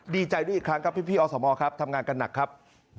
ดีใจด้วยอีกครั้งครับพี่อสมครับทำงานกันหนักครับ